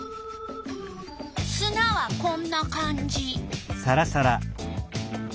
すなはこんな感じ。